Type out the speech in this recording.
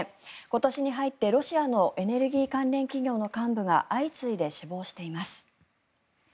今年に入ってロシアのエネルギー関連企業の幹部が相次いで死亡しています。